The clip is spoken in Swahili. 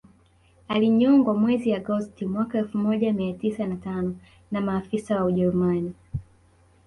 Alinyongwa mwezi Agosti mwaka elfu moja mia tisa na tano na maafisa wa ujerumani